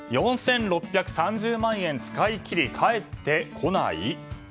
４６３０万円使い切り返って来ない？